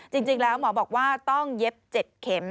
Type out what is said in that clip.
จริงแล้วหมอบอกว่าต้องเย็บ๗เข็ม